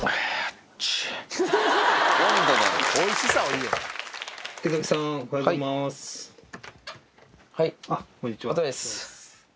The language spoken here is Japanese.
こんにちは。